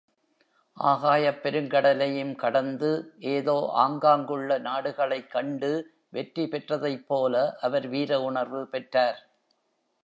ஆகாயப் பெருங்கடலையும் கடந்து ஏதோ ஆங்காங்குள்ள நாடுகளைக் கண்டு வெற்றி பெற்றதைப் போல அவர் வீர உணர்வு பெற்றார்.